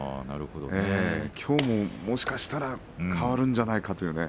きょうも、もしかしたら変わるんじゃないかという。